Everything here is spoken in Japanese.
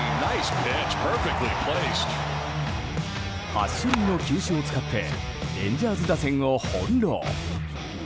８種類の球種を使ってレンジャーズ打線を翻弄。